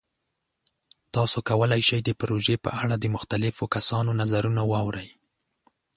تاسو کولی شئ د پروژې په اړه د مختلفو کسانو نظرونه واورئ.